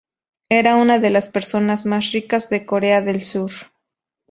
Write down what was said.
Era una de las personas más ricas de Corea del Sur.